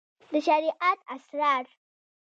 د شريعت اسرار